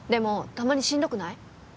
たまにしんどくない？